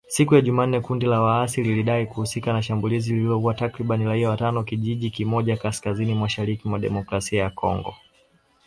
Siku ya Jumanne kundi la waasi lilidai kuhusika na shambulizi lililoua takribani raia watano katika kijiji kimoja kaskazini mashariki mwa Jamhuri ya Kidemokrasia ya Kongo.